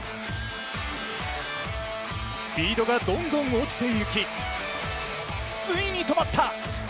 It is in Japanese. スピードがどんどん落ちていきついに止まった！